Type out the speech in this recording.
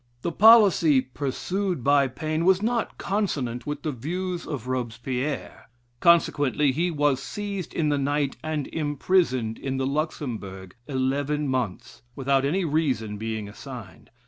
The policy pursued by Paine was not consonant with the views of Robespierre. Consequently, he was seized in the night and imprisoned in the Luxembourg eleven months, without any reason being assigned.